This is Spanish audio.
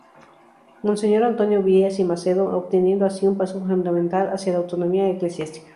Monseñor Antonio Díaz y Macedo, obteniendo así, un paso fundamental hacia la autonomía eclesiástica.